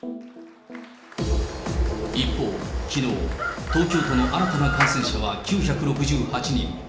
一方、きのう、東京都の新たな感染者は９６８人。